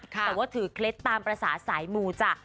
แต่ว่าถือเคล็ดตามภาษาสายมูจ้ะ